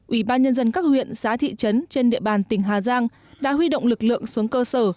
ủy ban nhân dân các huyện xá thị trấn trên địa bàn tỉnh hà giang đã huy động lực lượng xuống cơ sở